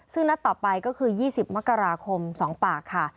ซึ่งนัดต่อไปก็คือ๒๐มกราคม๒ปากค่ะ